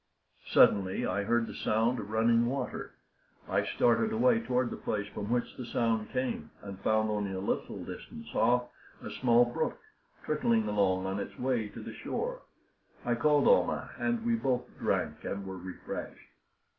Suddenly I heard the sound of running water. I started away toward the place from which the sound came, and found, only a little distance off, a small brook trickling along on its way to the shore. I called Almah, and we both drank and were refreshed.